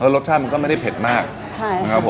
แล้วรสชาติมันก็ไม่ได้เผ็ดนะครับ